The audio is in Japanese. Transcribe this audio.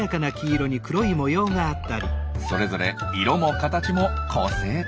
それぞれ色も形も個性的。